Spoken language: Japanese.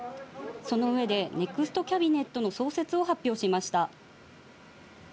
その上でネクストキャビネットの創設を発表しました。